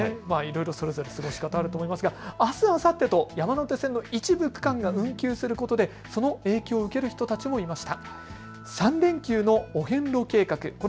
それぞれ過ごし方があると思いますがあす、あさってと山手線の一部区間が運休することでその影響を受ける人たちもいました。